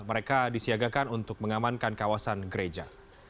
mereka disiagakan untuk mengamankan kawasan gereja